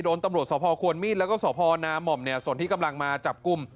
โดนตำรวจสอบภอควรมีดแล้วก็สอบภอนามหม่อมเนี่ยส่วนที่กำลังมาจับกุม